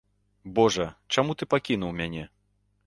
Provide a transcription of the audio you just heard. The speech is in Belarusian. Божа, чаму ты пакінуў мяне?